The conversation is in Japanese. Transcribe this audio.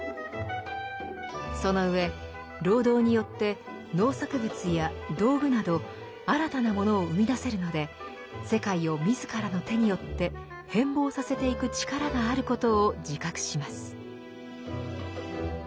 その上労働によって農作物や道具など新たなものを生み出せるので世界を自らの手によって変貌させていく力があることを自覚します。